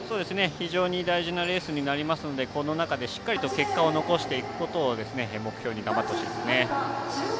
非常に大事なレースになりますのでこの中でしっかりと結果を残していくことを目標に考えてほしいですね。